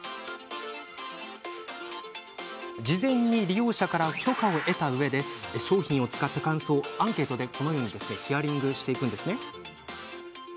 事前に利用者から許可を得たうえで商品を使った感想をアンケートでヒアリングしています。